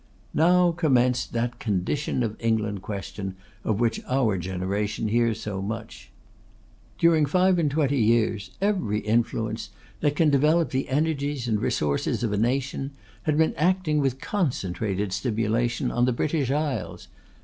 Now commenced that Condition of England Question of which our generation hears so much. During five and twenty years every influence that can develop the energies and resources of a nation had been acting with concentrated stimulation on the British Isles.